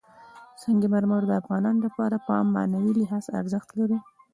سنگ مرمر د افغانانو لپاره په معنوي لحاظ ارزښت لري.